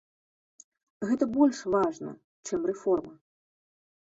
Гэта больш важна, чым рэформы.